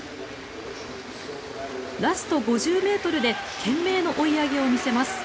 ラスト５０ｍで懸命の追い上げを見せます。